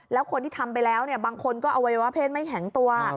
แล้วคนที่ทำไปแล้วบางคนก็อวัยวะเพศไม่แข็งตัว